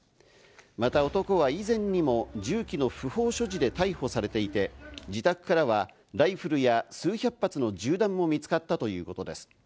また男は以前にも銃器の不法所持で逮捕されていて、自宅からはライフルや数百発の銃弾も見つかったということです。